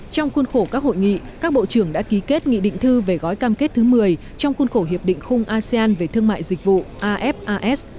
trong khuôn khổ các hội nghị các bộ trưởng đã ký kết nghị định thư về gói cam kết thứ một mươi trong khuôn khổ hiệp định khung asean về thương mại dịch vụ afas